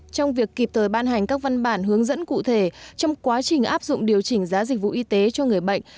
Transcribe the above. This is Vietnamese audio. trong việc kịp thời ban hành các văn bản hướng dẫn cụ thể trong quá trình áp dụng điều chỉnh giá dịch vụ y tế cho người bệnh